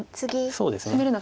そうですね。